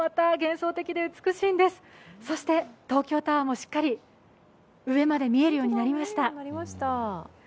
そして東京タワーもしっかり上まで見えるようになりました。